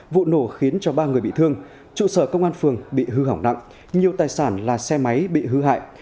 vụ nổ khiến cho ba người bị thương trụ sở công an phường bị hư hỏng nặng nhiều tài sản là xe máy bị hư hại